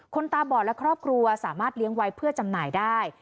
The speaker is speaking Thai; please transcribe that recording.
ตาบอดและครอบครัวสามารถเลี้ยงไว้เพื่อจำหน่ายได้